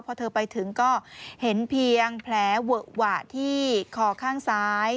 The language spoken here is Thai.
พอเธอไปถึงก็เห็นเพียงแผลเวอะหวะที่คอข้างซ้าย